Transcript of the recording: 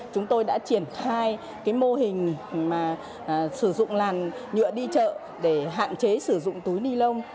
chúng tôi đã triển khai mô hình sử dụng làn nhựa đi chợ để hạn chế sử dụng túi ni lông